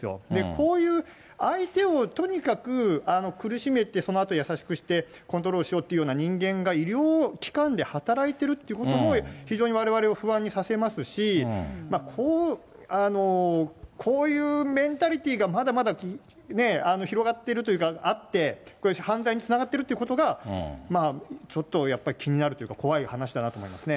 こういう相手をとにかく苦しめて、そのあと優しくしてコントロールしようというような人間が、医療機関で働いてるっていうことも、非常にわれわれを不安にさせますし、こういうメンタリティーがまだまだ広がってるというか、あって、犯罪につながってるってことが、ちょっとやっぱり気になるというか、怖い話だなと思うんですね。